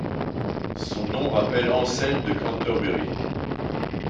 Son nom rappelle Anselme de Cantorbéry.